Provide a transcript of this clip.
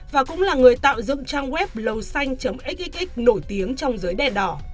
và cũng là người tạo dựng trang web lâu xanh xxx nổi tiếng trong giới đen đỏ